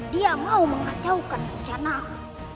dia mau mengacaukan rencanaku